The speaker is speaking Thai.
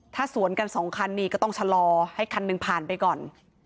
ถ้าสวนกันสองคันนี้ก็ต้องชะลอให้คันหนึ่งผ่านไปก่อน